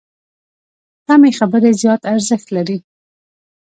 کمې خبرې، زیات ارزښت لري.